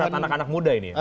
buat anak anak muda ini